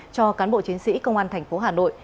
cho cán bộ chiến sĩ công an thành phố hà nội